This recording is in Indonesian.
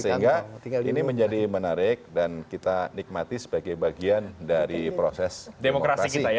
sehingga ini menjadi menarik dan kita nikmati sebagai bagian dari proses demokrasi